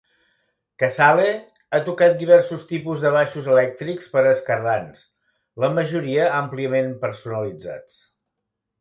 Casale ha tocat diversos tipus de baixos elèctrics per a esquerrans, la majoria àmpliament personalitzats.